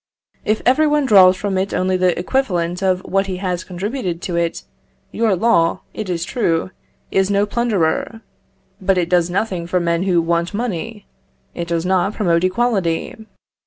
If every one draws from it only the equivalent of what he has contributed to it, your law, it is true, is no plunderer, but it does nothing for men who want money it does not promote equality.